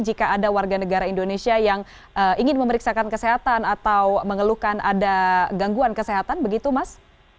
jika ada warga negara indonesia yang ingin memeriksakan kesehatan atau mengeluhkan ada gangguan kesehatan begitu mas